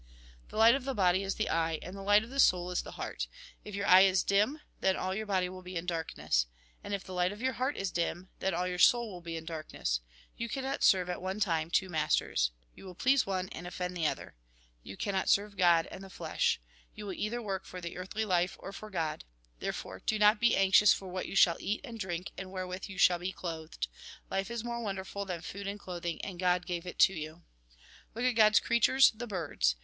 The light of the body is the eye, and the light of the soul is the heart. If your eye is dim, then all your body will be in darkness. And if the light of your heart is dim, then all your soul will be in darkness. You cannot serve at one time two masters. You will please one, and offend the other. You cannot serve God and the flesh. You will either work for the earthly life or for God. There fore, do not be anxious for what you shall eat and drink, and wherewith you shall be clothed. Life is more wonderful than food and clothing, and God gave it you. Look at God's creatures, the birds.